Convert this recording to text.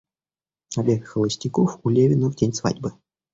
Обед холостяков у Левина в день свадьбы.